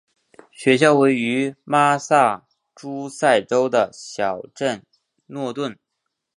学校位于马萨诸塞州的小镇诺顿。